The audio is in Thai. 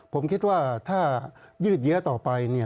ผมคิดว่าถ้ายืดเยื้อต่อไป